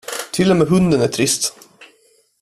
Till och med hunden är trist.